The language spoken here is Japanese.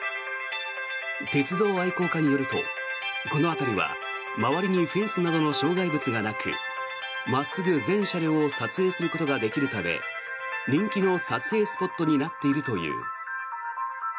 鉄道愛好家によるとこの辺りは周りにフェンスなどの障害物がなく真っすぐ全車両を撮影することができるため人気の撮影スポットになっているという。